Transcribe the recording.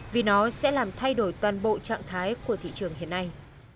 vì nó sẽ làm thay đổi toàn bộ trạng thái của thị trường hiện nay